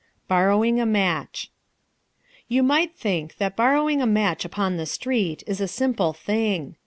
Borrowing a Match You might think that borrowing a match upon the street is a simple thing.